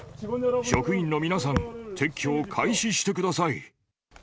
職員の皆さん、撤去を開始してください。